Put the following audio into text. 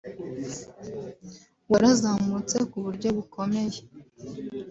warazamutse ku buryo bukomeye